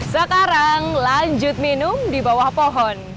sekarang lanjut minum di bawah pohon